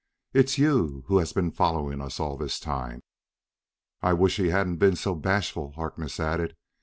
It's you who has been following us all this time!" "I wish he hadn't been so bashful," Harkness added.